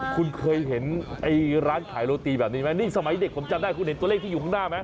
คุณเคยเห็นไอ้ร้านขายโรตีแบบนี้ไหมนี่สมัยเด็กผมจำได้คุณเห็นตัวเลขที่อยู่ข้างหน้าไหม